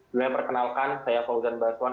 dulu saya perkenalkan saya fauzan baswan